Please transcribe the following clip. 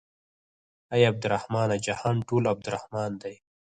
اې عبدالرحمنه جهان ټول عبدالرحمن دى.